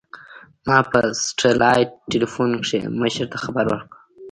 ما په سټلايټ ټېلفون کښې مشر ته خبر ورکړ.